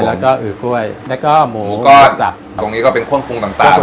แล้วก็อื่นกล้วยแล้วก็หมูหมูก้อนตรงนี้ก็เป็นคว่องคลุงต่างต่างครับ